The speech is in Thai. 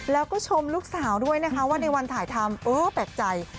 แล้วก็ชมลูกสาวด้วยนะคะว่าในวันถ่ายทำเออแปลกใจ